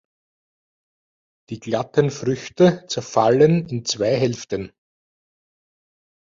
Die glatten Früchte zerfallen in zwei Hälften.